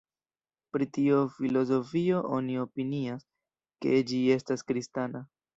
Pri tiu filozofio oni opinias, ke ĝi estas kristana.